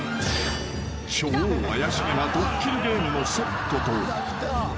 ［超怪しげなドッキリゲームのセットと］